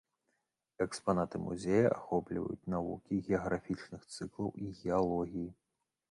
Экспанаты музея ахопліваюць навукі геаграфічных цыклаў і геалогіі.